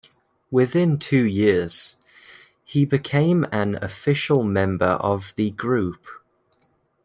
Within two years, he became an official member of the group.